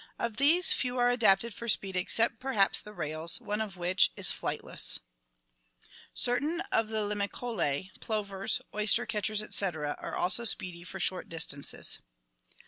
Of these few are adapted for speed except perhaps the rails, one of which (Aptornis) is flightless. Certain of the Limicolae, plovers, oyster catchers, etc., are also speedy for short distances.